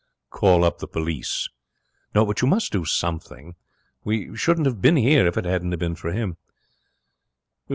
'Call up the police.' 'No, but you must do something. We shouldn't have been here if it hadn't been for him.'